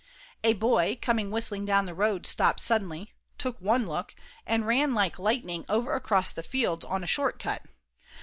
A boy, coming whistling down the road, stopped suddenly, took one look, and ran like lightning over across the fields on a short cut.